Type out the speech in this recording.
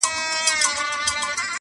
چي د حسن یې ټول مصر خریدار دی -